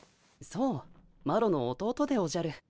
そうマロの弟でおじゃる。